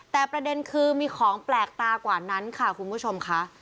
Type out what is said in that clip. แต่ประเด็นคือมีของแปลกตากว่านั้นค่ะคุณผู้ชมค่ะ